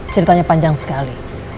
ceritanya panjang sekali